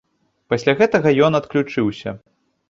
Пасля гэтага ён адключыўся.